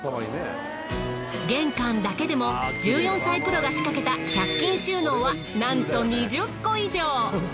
玄関だけでも１４歳プロが仕掛けた１００均収納はなんと２０個以上。